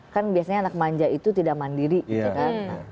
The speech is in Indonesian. kan biasanya anak manja itu tidak mandiri gitu kan